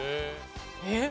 えっ？